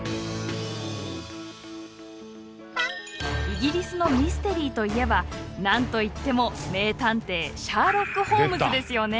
イギリスのミステリーといえば何と言っても名探偵シャーロック・ホームズですよね。